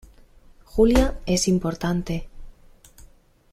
Julia, es importante.